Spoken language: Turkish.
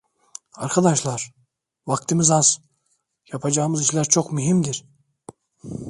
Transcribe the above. Arkadaşlar, vaktimiz az, yapacağımız işler çok mühimdir.